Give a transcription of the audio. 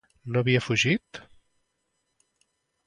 Que no havia fugit?